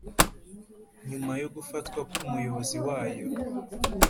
Nyuma yo gufatwa, k umuyobozi wayo